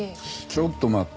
ちょっと待って。